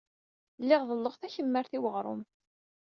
Lliɣ ḍelluɣ takemmart i weɣrum.